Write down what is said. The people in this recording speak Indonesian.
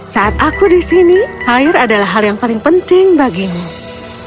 saat aku di sini air adalah hal yang paling penting bagimu